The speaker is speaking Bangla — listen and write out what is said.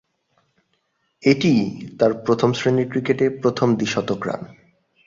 এটিই তার প্রথম-শ্রেণীর ক্রিকেটে প্রথম দ্বি-শতক রান।